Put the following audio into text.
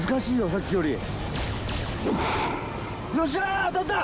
さっきよりよっしゃ当たった！